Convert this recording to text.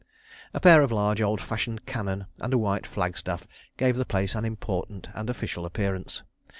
A pair of large old fashioned cannon and a white flagstaff gave the place an important and official appearance.